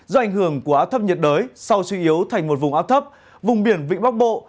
do ảnh hưởng của áp thấp nhiệt đới sau suy yếu thành một vùng áp thấp vùng biển vịnh bắc bộ